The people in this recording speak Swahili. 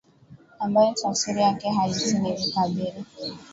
ambayo tafsiri yake halisi ni vikabila